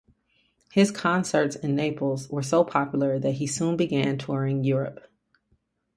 His concerts in Naples were so popular that he soon began touring Europe.